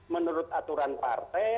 menurut aturan partai